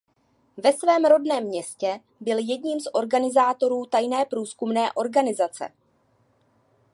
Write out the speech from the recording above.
Ve svém rodném městě byl jedním z organizátorů tajné průzkumné organizace.